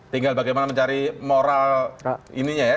tinggal bagaimana mencari moral ininya ya